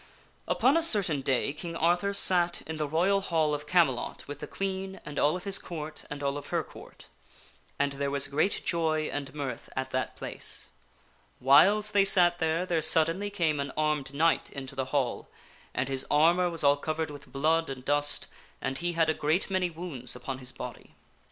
UPON a certain day King Arthur sat in the Royal Hall of Camelot with the Queen and all of his Court and all of her Court. And there was great joy and mirth at that place. Whiles they sat there, there suddenly came an armed knight into the Hall, and his armor was all covered with blood and dust, and he had a great many wounds upon his body.